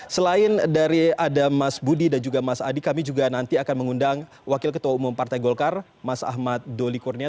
selain dari ada mas budi dan juga mas adi kami juga nanti akan mengundang wakil ketua umum partai golkar mas ahmad doli kurnia